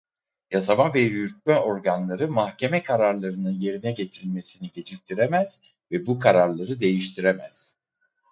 Yasama ve yürütme organları mahkeme kararlarının yerine getirilmesini geciktiremez ve bu kararları değiştiremez.